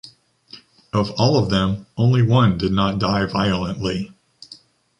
Of all of them, only one did not die violently.